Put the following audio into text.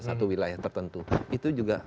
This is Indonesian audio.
satu wilayah tertentu itu juga